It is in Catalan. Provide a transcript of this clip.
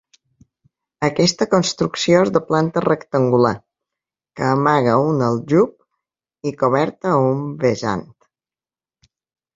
Aquesta construcció és de planta rectangular, que amaga un aljub, i coberta a un vessant.